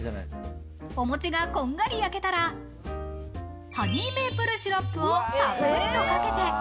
お餅がこんがり焼けたら、ハニーメープルシロップをたっぷりとかけて。